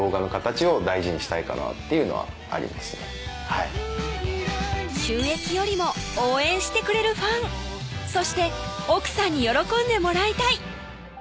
はい収益よりも応援してくれるファンそして奥さんに喜んでもらいたい